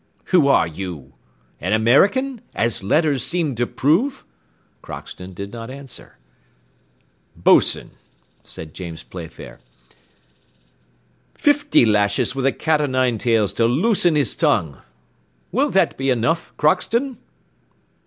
"Who are you? An American, as letters seem to prove?" Crockston did not answer. "Boatswain," said James Playfair, "fifty lashes with the cat o' nine tails to loosen his tongue. Will that be enough, Crockston?"